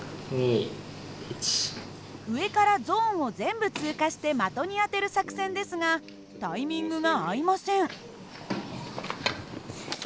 上からゾーンを全部通過して的に当てる作戦ですがタイミングが合いません。